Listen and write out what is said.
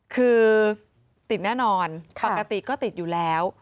คือติดแน่นอนปกติก็ติดอยู่แล้ว